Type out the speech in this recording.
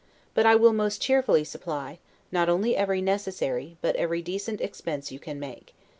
But I will most cheerfully supply, not only every necessary, but every decent expense you can make.